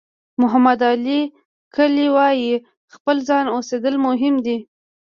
محمد علي کلي وایي خپل ځان اوسېدل مهم دي.